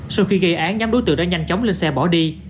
sau khi gây án nhóm đối tượng đã nhanh chóng lên xe bỏ đi